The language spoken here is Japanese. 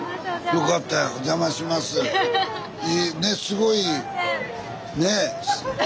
ねっすごいねっ。